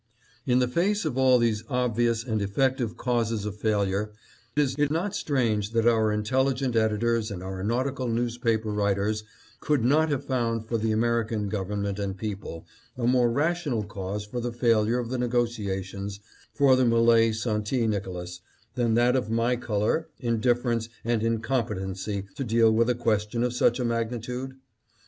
" In the face of all these obvious and effective causes of failure, is it not strange that our intelligent editors and our nautical newspaper writers could not have found for the American Government and people a more rational cause for the failure of the negotiations for the MQle St. Nicolas than that of my color, indifference, and incompetency to deal with a question of such a 746 THE CLYDE CONTRACT. magnitude